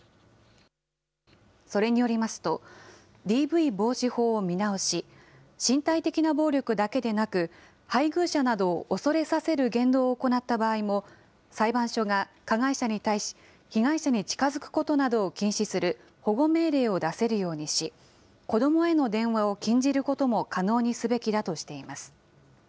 それによりますと、ＤＶ防止法を見直し、身体的な暴力だけでなく、配偶者などを恐れさせる言動を行った場合も、裁判所が加害者に対し、被害者に近づくことなどを禁止する保護命令を出せるようにし、子どもへの電話を禁じることも可能にすべきだとしています。